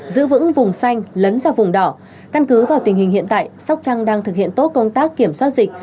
giữ vững vùng xanh lấn ra vùng đỏ căn cứ vào tình hình hiện tại sóc trăng đang thực hiện tốt công tác kiểm soát dịch